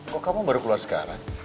kok kamu baru keluar sekarang